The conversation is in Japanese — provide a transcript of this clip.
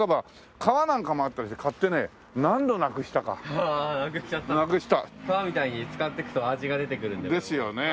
革みたいに使っていくと味が出てくるんですよ。ですよね。